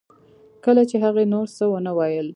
کله چې هغې نور څه ونه ویل